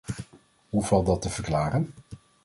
Hoe valt dat te verklaren?